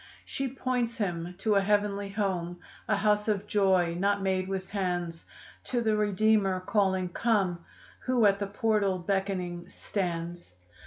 She points him to a heavenly home, A house of joy not made with hands To the Redeemer calling, "Come!" Who at the portal beckoning stands.